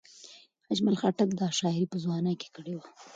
اجمل خټک دا شاعري په ځوانۍ کې کړې وه.